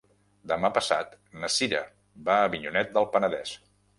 Demà passat na Cira va a Avinyonet del Penedès.